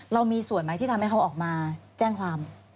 เรามีส่วนไหมที่ทำให้เขาออกมาแจ้งความ